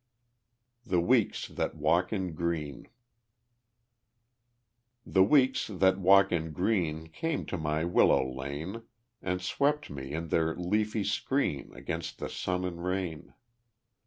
The Weeks that Walk in Green The weeks that walk in green Came to my willow lane, And wrapt me in their leafy screen Against the sun and rain.